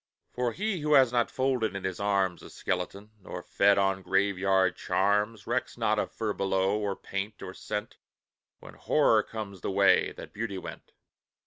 For he who has not folded in his arms A skeleton, nor fed on graveyard charms, Recks not of furbelow, or paint, or scent, When Horror comes the way that Beauty went.